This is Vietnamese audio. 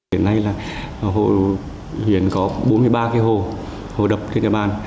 hiện nay là hiện có bốn mươi ba cái hồ hồ đập trên nhà bàn